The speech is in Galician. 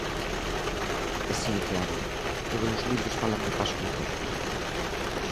E si, claro, todos os libros falan do paso do tempo.